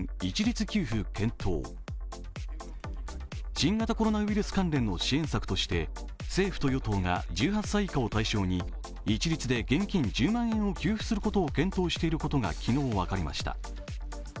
新型コロナウイルス関連の支援策として政府と与党が１８歳以下を対象に一律で現金１０万円を給付することを検討していることが昨日、分かりました。